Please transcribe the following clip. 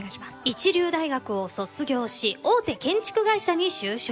一流大学を卒業し大手建築会社に就職。